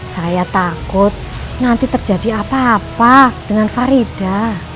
saya takut nanti terjadi apa apa dengan farida